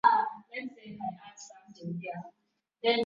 Waasi wa Machi ishirini na tatu wamedhibithi sehemu zaidi ya kumi na nne